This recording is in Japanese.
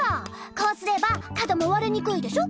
こうすれば角もわれにくいでしょ。